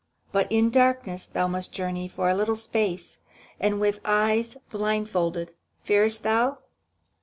But in darkness thou must journey for a little space, and with eyes blindfolded. Fearest thou?"